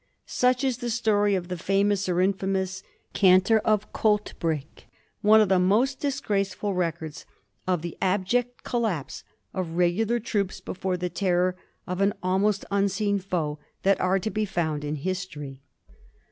Such is the story of the famous, or infamous, '^ Canter of Colt brigg," one of the most disgraceful records of the abject collapse of regular troops before the terror of an almost unseen foe that are to found in history.